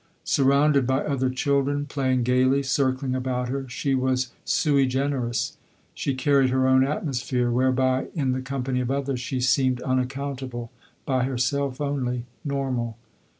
Surrounded by other children, playing gaily, circling about her, she was sui generis. She carried her own atmosphere, whereby in the company of others she seemed unaccountable, by herself only, normal.